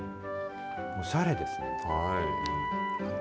おしゃれですね。